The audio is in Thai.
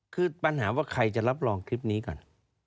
คือปัญหาว่าใครจะรับรองคลิปนี้ก่อน